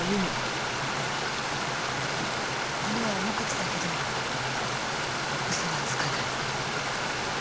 骨は無口だけど嘘はつかない。